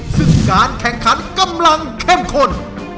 ซึ่งการแข่งขันกำลังเข้มข้น